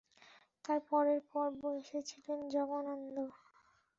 তার পরের পর্বে এসেছিলেন জগদানন্দ।